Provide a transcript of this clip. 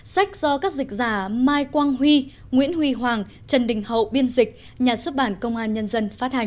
sách do các dịch giả mai quang huy nguyễn huy hoàng trần đình hậu biên dịch nhà xuất bản công an nhân dân phát hành